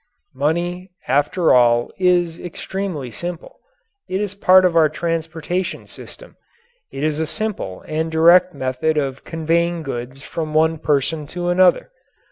Money, after all, is extremely simple. It is a part of our transportation system. It is a simple and direct method of conveying goods from one person to another.